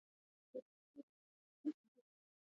افغانستان کې د د بولان پټي د پرمختګ هڅې روانې دي.